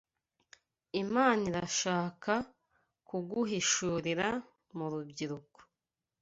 Imana irashaka kuguhishurira mu rubyiruko